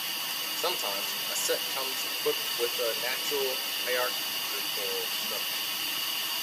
Sometimes, a set comes equipped with a natural hierarchical structure.